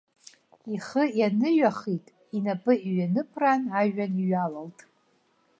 Ихы ианыҩахик, инапы иҩаныԥраан ажәҩан иҩалалт.